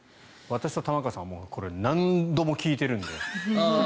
私と玉川さんはこれを何度も聞いているので。